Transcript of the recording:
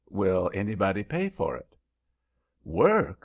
Will anybody pay for it?" "Work?"